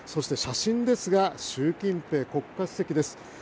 そして、写真ですが習近平国家主席です。